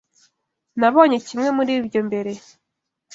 Nabonye kimwe muri ibyo mbere.